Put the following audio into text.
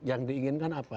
yang diinginkan apa